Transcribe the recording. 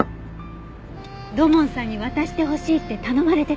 土門さんに渡してほしいって頼まれてたの。